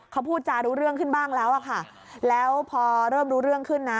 เขาพูดจารู้เรื่องขึ้นบ้างแล้วอะค่ะแล้วพอเริ่มรู้เรื่องขึ้นนะ